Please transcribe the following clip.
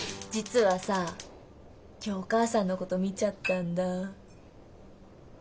実はさ今日お母さんのこと見ちゃったんだ。